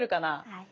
はい。